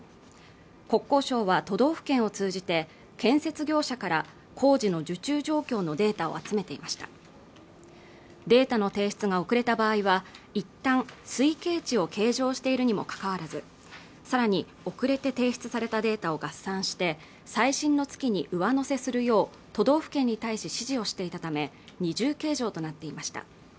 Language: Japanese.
国交省は都道府県を通じて建設業者から工事の受注状況のデータを集めていましたデータの提出が遅れた場合は一旦推計値を計上しているにもかかわらずさらに遅れて提出されたデータを合算して最新の月に上乗せするよう都道府県に対して指示をしていたため二重計上となっていました